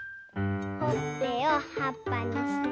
ほっぺをはっぱにして。